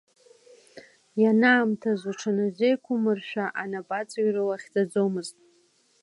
Ианаамҭаз уҽанузеиқәмыршәа, анапаҵаҩра уахьӡаӡомызт.